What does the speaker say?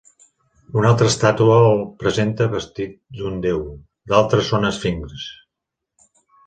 Una altra estàtua el presenta vestit d'un déu; d'altres són esfinxs.